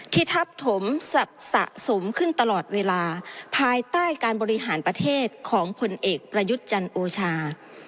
ทับถมสะสมขึ้นตลอดเวลาภายใต้การบริหารประเทศของผลเอกประยุทธ์จันทร์โอชา